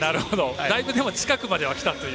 だいぶもう近くまではきたという。